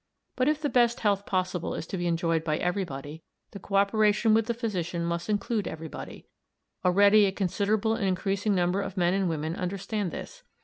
But if the best health possible is to be enjoyed by everybody, the co operation with the physician must include everybody. Already a considerable and increasing number of men and women understand this.